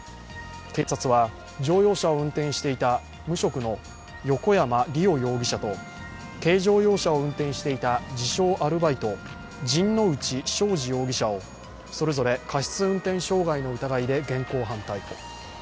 警察は乗用車を運転していた無職の横山陸央容疑者と軽乗用車を運転していた自称・アルバイト、陣内正次容疑者をそれぞれ過失運転傷害の疑いで現行犯逮捕。